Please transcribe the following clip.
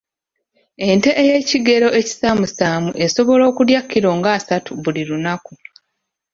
Ente ey’ekigero ekisaamusaamu esobola okulya kkilo nga asatu buli lunaku.